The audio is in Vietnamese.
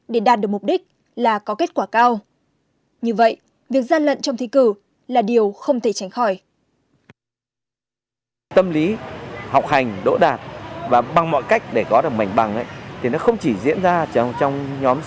để đạt được mục đích là có kết quả cao như vậy việc gian lận trong thi cử là điều không thể tránh khỏi